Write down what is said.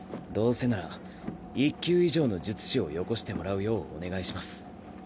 どうせなら１級以上の術師をよこしてもらうようお願いします。